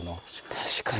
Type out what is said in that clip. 確かに。